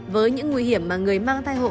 với những nguy hiểm mà người mang thai hộ